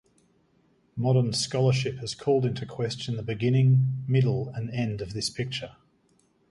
Modern scholarship has called into question the beginning, middle, and end of this picture.